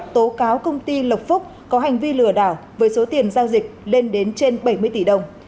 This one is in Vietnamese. tố cáo công ty lộc phúc có hành vi lừa đảo với số tiền giao dịch lên đến trên bảy mươi tỷ đồng